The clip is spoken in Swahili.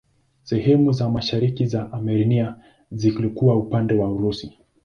Sehemu za mashariki za Armenia zilikuwa upande wa Urusi.